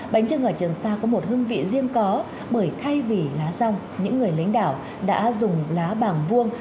bánh trưng ở trường xa có một hương vị riêng có bởi thay vì lá rong những người lính đảo đã dùng lá bàng vuông